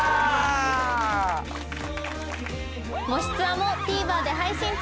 『もしツア』もＴＶｅｒで配信中！